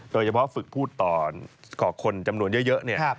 โดยเฉพาะฝึกพูดต่อของคนจำนวนเยอะเนี่ย